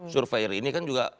survei ini kan juga